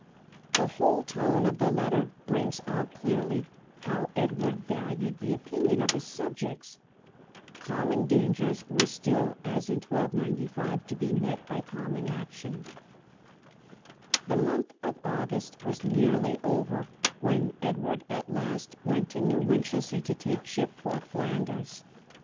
The whole tone of the letter brings out clearly how Edward valued the opinion of his subjects. Common dangers were still, as in 1295, to be met by common action. The month of August was nearly over when Edward at last went to New Winch elsea to take ship for Flanders.